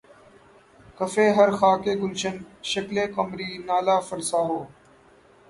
کفِ ہر خاکِ گلشن‘ شکلِ قمری‘ نالہ فرسا ہو